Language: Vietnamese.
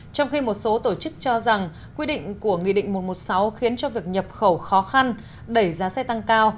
trong khi một số tổ chức cho rằng quy định của nghị định một trăm một mươi sáu khiến cho việc nhập khẩu khó khăn đẩy giá xe tăng cao